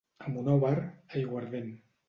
A Monòver, aiguardent.